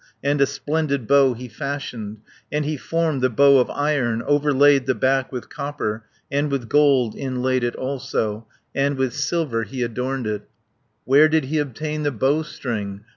And a splendid bow he fashioned, 30 And he formed the bow of iron, Overlaid the back with copper. And with gold inlaid it also, And with silver he adorned it. Where did he obtain the bowstring?